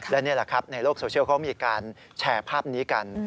และนี่แหละครับในโลกโซเชียลเขามีการแชร์ภาพนี้กัน